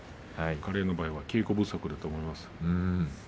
彼の場合は稽古不足だと思います。